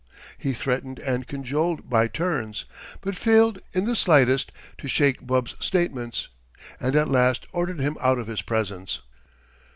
He threatened and cajoled by turns, but failed in the slightest to shake Bub's statements, and at last ordered him out of his presence.